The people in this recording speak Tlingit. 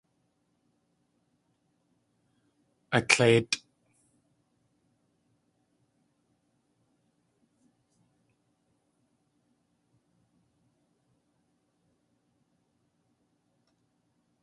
Atléitʼ.